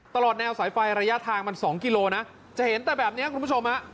ตลอดแนวสายไฟระยะทางมัน๒กิโลนะจะเห็นแต่แบบนี้คุณผู้ชมฮะ